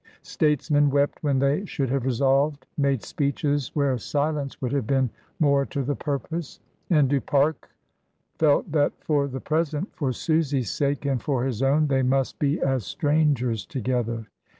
Statesmen wept when they should have resolved; made speeches where silence would have been more to the purpose; and Du Pare felt that for the present, for Sus/s sake and for his own, they must be as strangers together.